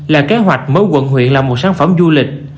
là kế hoạch mỗi quận huyện là một sản phẩm du lịch